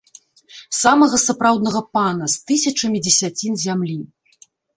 Самага сапраўднага пана з тысячамі дзесяцін зямлі.